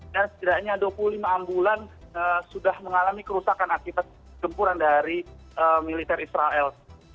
dan setidaknya dua puluh lima ambulan sudah mengalami kerusakan aktivitas gempuran dari militer israel